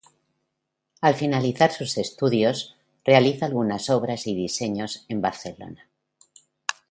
Al finalizar sus estudios realiza algunas obras y diseños en Barcelona.